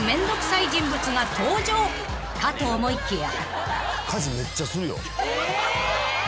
［登場かと思いきや］